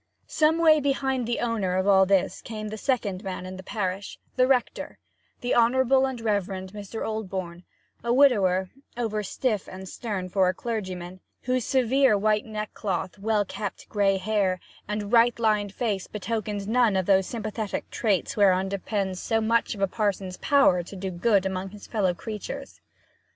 Some way behind the owner of all this came the second man in the parish, the rector, the Honourable and Reverend Mr. Oldbourne, a widower, over stiff and stern for a clergyman, whose severe white neckcloth, well kept gray hair, and right lined face betokened none of those sympathetic traits whereon depends so much of a parson's power to do good among his fellow creatures.